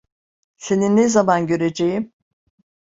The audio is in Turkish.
Seni ne zaman göreceğim?